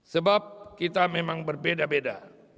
sebab kita memang berbeda beda